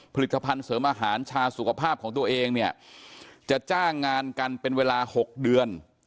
ผลิตภัณฑ์เสริมอาหารชาสุขภาพของตัวเองเนี่ยจะจ้างงานกันเป็นเวลา๖เดือน